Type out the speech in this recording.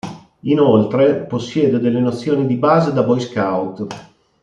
Inoltre possiede delle nozioni di base da boy scout.